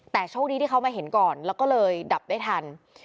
แต่โชคดีที่เขามาเห็นก่อนแล้วก็เลยดับได้ทัน